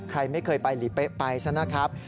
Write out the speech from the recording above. ใครไม่เคยไปหลีเป๊ะไปซะนะครับ